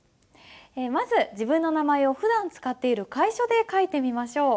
まず自分の名前をふだん使っている楷書で書いてみましょう。